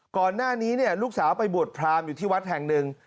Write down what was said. ก่อนหน้านี้ลูกสาวไปบวชพรามอยู่ที่วัดแห่งหนึ่ง